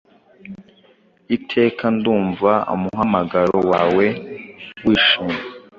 Iteka Ndumva umuhamagaro wawe wishimye,